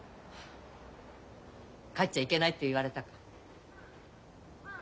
帰っちゃいけないって言われたか。